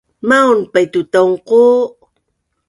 Maun paitutaungqu